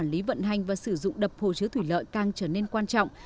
lận hành và sử dụng đập hồ chứa thủy lợi càng trở nên quan trọng